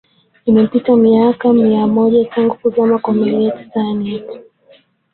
imepita miaka mia moja tangu kuzama kwa meli ya titanic